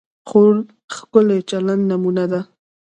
خور د ښکلي چلند نمونه ده.